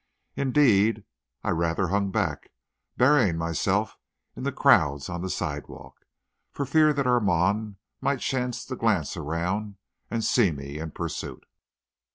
Indeed, I rather hung back, burying myself in the crowds on the sidewalk, for fear that Armand might chance to glance around and see me in pursuit.